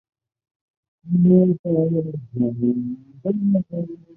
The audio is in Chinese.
滇东杜根藤为爵床科杜根藤属的植物。